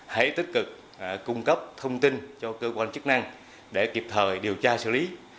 hãy tích cực cung cấp thông tin cho cơ quan chức năng để kịp thời điều tra xử lý